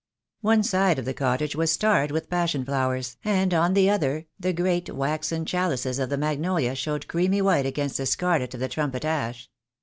One side of the cottage was starred with passion flowers, and on the other the great waxen chalices of the magnolia showed creamy white against the scarlet of the trumpet ash.